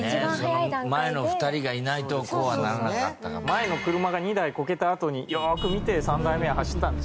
前の車が２台コケたあとによーく見て３台目は走ったんです。